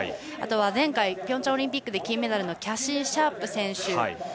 あとは前回ピョンチャンオリンピックで金メダルのキャシー・シャープ選手。